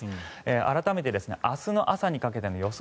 改めて明日の朝にかけての予想